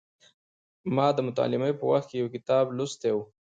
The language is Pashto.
ما د متعلمۍ په وخت کې یو کتاب لوستی و.